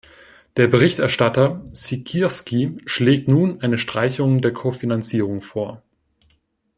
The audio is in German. Der Berichterstatter Siekierski schlägt nun eine Streichung der Kofinanzierung vor.